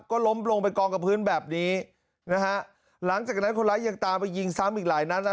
ก็ล้มลงไปกองกับพื้นแบบนี้นะฮะหลังจากนั้นคนร้ายยังตามไปยิงซ้ำอีกหลายนัดอ่ะ